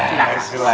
itu itu dia